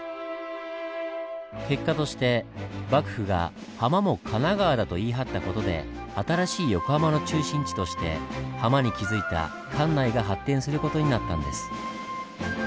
結果として幕府が「ハマも神奈川だ」と言い張った事で新しい横浜の中心地としてハマに築いた関内が発展する事になったんです。